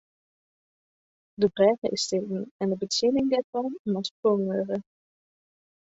De brêge is stikken en de betsjinning dêrfan moat ferfongen wurde.